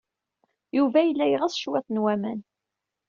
Yuba yella yeɣs cwiṭ n waman.